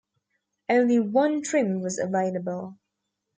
Only one trim was available.